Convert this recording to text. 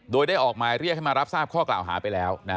โดยได้ออกหมายเรียกให้มารับทราบข้อกล่าวหาไปแล้ว